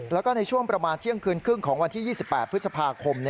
แล้วก็ในช่วงประมาณเที่ยงคืนครึ่งของวันที่๒๘พฤษภาคม